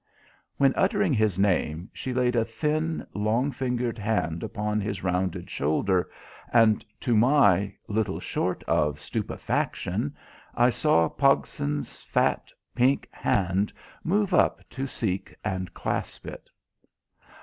When uttering his name, she laid a thin, long fingered hand upon his rounded shoulder, and to my little short of stupefaction, I saw Pogson's fat, pink hand move up to seek and clasp it.